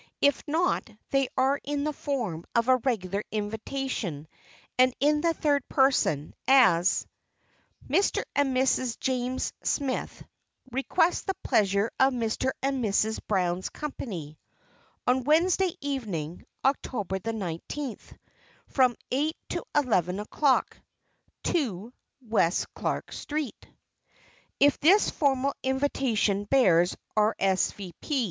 If not, they are in the form of a regular invitation, and in the third person, as: "Mr. and Mrs. James Smith Request the pleasure of Mr. and Mrs. Brown's company On Wednesday evening, October the nineteenth, From eight to eleven o'clock. 2 West Clark Street." If this formal invitation bears "R. s. v. p."